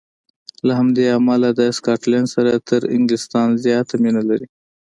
له همدې امله د سکاټلنډ سره تر انګلیستان زیاته مینه لري.